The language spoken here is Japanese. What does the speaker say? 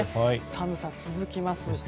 寒さが続きます。